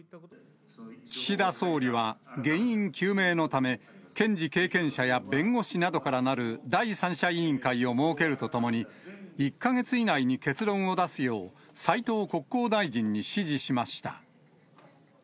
岸田総理は、原因究明のため、検事経験者や弁護士などからなる第三者委員会を設けるとともに、１か月以内に結論を出すよう、斉藤国交大臣に指示しました。